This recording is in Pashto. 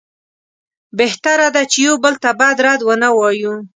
بهتره ده چې یو بل ته بد رد ونه وایو.